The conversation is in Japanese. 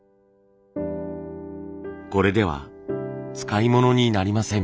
これでは使い物になりません。